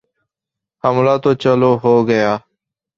حملہ تو چلو ہو گیا۔